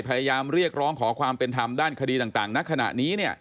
พยายามเรียกร้องขอความเป็นธรรมด้านคดีต่างณขณะนี้